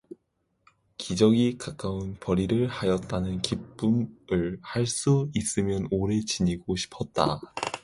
기적에 가까운 벌이를 하였다는 기쁨을 할 수 있으면 오래 지니고 싶었다.